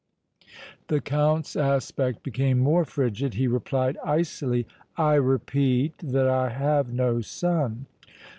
The Count's aspect became more frigid; he replied, icily: "I repeat that I have no son!"